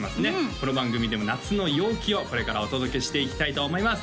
この番組でも夏の陽気をこれからお届けしていきたいと思います